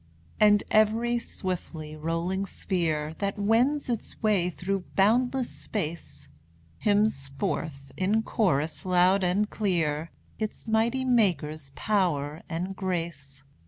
And every swiftly rolling sphere, That wends its way through boundless space, Hymns forth, in chorus loud and clear, Its mighty Maker's power and grace.